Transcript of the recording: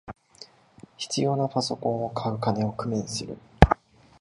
必要なパソコンを買う金を工面する